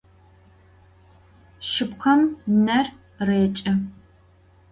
Şsıpkhem ner rêç'ı.